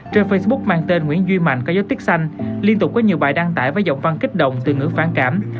trên facebook mang tên nguyễn duy mạnh có dấu tích xanh liên tục có nhiều bài đăng tải với giọng văn kích động từ ngữ phản cảm